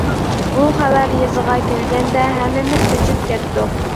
بۇ خەۋەر يېزىغا كەلگەندە ھەممىمىز چۆچۈپ كەتتۇق!